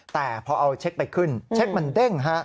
แต่พอเอาเช็คไปขึ้นเช็คมันเด้งฮะ